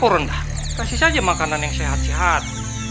ya sudah biar saya yang melihat